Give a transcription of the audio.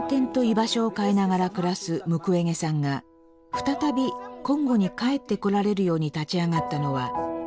場所を変えながら暮らすムクウェゲさんが再びコンゴに帰ってこられるように立ち上がったのは女性たちでした。